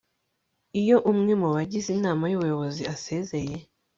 iyo umwe mu bagize inama y'ubuyobozi asezeye